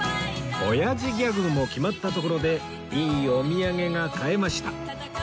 おやじギャグも決まったところでいいお土産が買えました